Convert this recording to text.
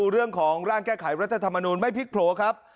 ร่างแก้ไขรัฐธรรมนูญไม่พิกโผลครับ